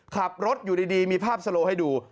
ขับรถอยู่ดีมีภาพสโลให้ดู